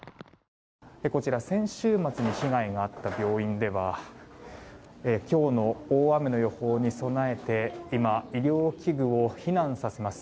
こちら先週末に被害があった病院では今日の大雨の予報に備えて今、医療器具を避難させます。